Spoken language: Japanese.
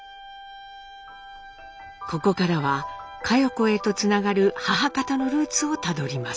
ここからは佳代子へとつながる母方のルーツをたどります。